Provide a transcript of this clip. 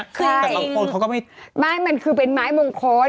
แต่บางคนเขาก็ไม่มันคือเป็นไม้มงคล